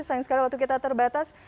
sayang sekali waktu kita terbatas